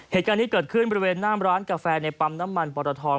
เหตุการณ์นี้เกิดขึ้นบริเวณหน้ามร้านกาแฟในปั๊มน้ำมันปรท